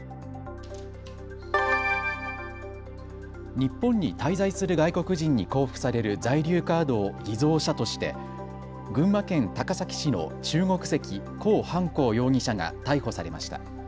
日本に滞在する外国人に交付される在留カードを偽造したとして群馬県高崎市の中国籍、孔凡紅容疑者が逮捕されました。